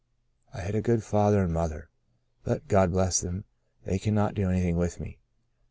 I had a good father and mother, but, God bless them, they could not do anything with me.